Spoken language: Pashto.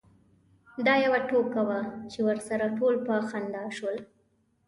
دا یوه ټوکه وه چې ورسره ټول په خندا شول.